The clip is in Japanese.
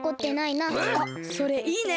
あそれいいね！